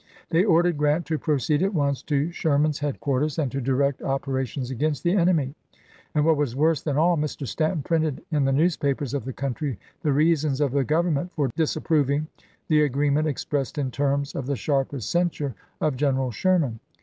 They ordered Grant to proceed at once to Sherman's headquarters, and to direct opera tions against the enemy, and what was worse than all, Mr. Stanton printed in the newspapers of the country the reasons of the Government for dis approving the agreement expressed in terms of the sharpest censure of General Sherman.